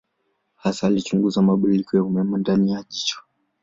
Hasa alichunguza mabadiliko ya umeme ndani ya jicho.